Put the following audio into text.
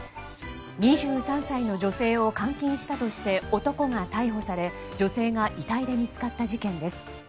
２３歳の女性を監禁したとして男が逮捕され女性が遺体で見つかった事件です。